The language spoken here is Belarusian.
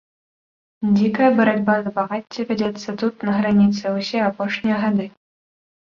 Дзікая барацьба за багацце вядзецца тут, на граніцы, усе апошнія гады.